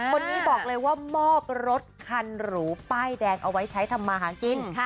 คนนี้บอกเลยว่ามอบรถคันหรูป้ายแดงเอาไว้ใช้ทำมาหากิน